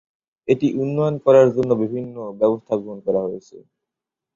এটি উন্নয়ন করার জন্য বিভিন্ন ব্যবস্থা গ্রহণ করা হয়েছে।